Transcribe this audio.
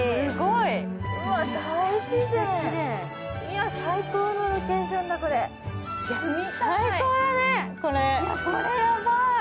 いや、最高のロケーションだ、これ。